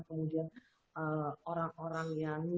kemudian orang orang yang